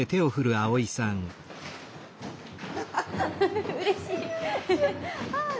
あうれしい。